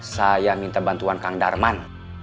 saya minta bantuan kang darman